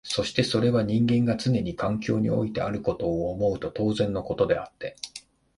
そしてそれは人間がつねに環境においてあることを思うと当然のことであって、